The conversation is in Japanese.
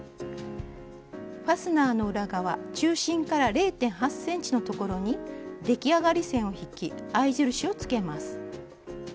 ファスナーの裏側中心から０．８ｃｍのところに出来上がり線を引き合い印をつけます。